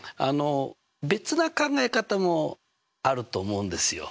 別な考え方もあると思うんですよ。